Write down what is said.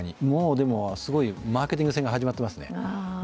すごいマーケティング戦が始まっていますね。